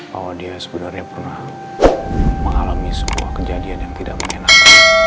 bahwa dia sebenarnya pernah mengalami sebuah kejadian yang tidak menyenangkan